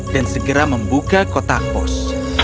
dan segera membuka kotak pos